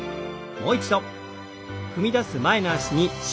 もう一度。